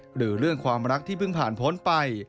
หรือเรื่องความรักที่เพิ่งผ่านพ้นไป